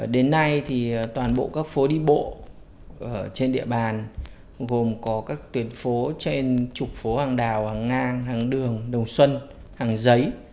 đến nay thì toàn bộ các phố đi bộ trên địa bàn gồm có các tuyến phố trên trục phố hàng đào hàng ngang hàng đường đồng xuân hàng giấy